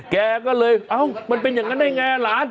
แกก็เลยอ้าวมันเป็นแบบนั้นได้ไงล้าน